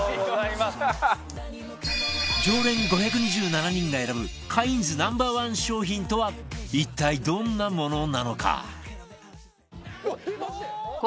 常連５２７人が選ぶカインズ Ｎｏ．１ 商品とは一体どんなものなのか？